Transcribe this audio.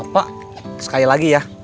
pak sekali lagi ya